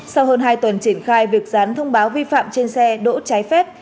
sau hơn hai tuần triển khai việc dán thông báo vi phạm trên xe đỗ trái phép